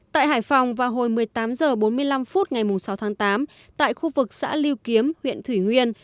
tại hải phòng vào hồi một mươi tám h bốn mươi năm phút ngày sáu tháng tám tại khu vực xã liêu kiếm huyện thủy nguyên